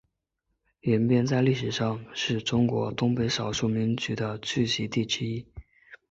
延边在历史上是中国东北少数民族的聚居地之一。